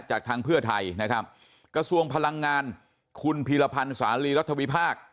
จากทางเพื่อไทยนะครับกระทรวงพลังงานคุณพีรพันธ์สาลีรัฐวิพากษ์